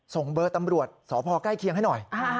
ส่งเบอร์ตำรวจสพใกล้เคียงให้หน่อย